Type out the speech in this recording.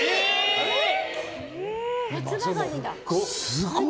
すごっ！